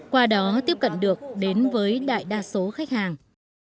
qua đó tiếp cận được đến với đại đa số khách hàng